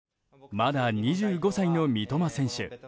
まだ２５歳の三笘選手。